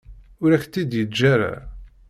Ur ak-tt-id-yeǧǧa ara.